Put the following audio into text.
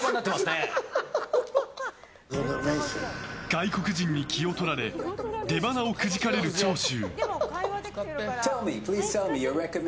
外国人に気を取られ出ばなをくじかれる長州。